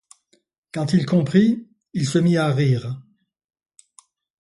Quand il comprit, il se mit à rire.